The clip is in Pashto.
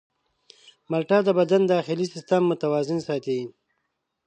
مالټه د بدن داخلي سیستم متوازن ساتي.